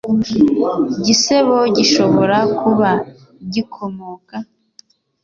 Igisebo gishobora kuba gikomoka